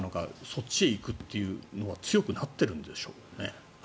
そっちに行くというのは強くなっているんでしょうかね。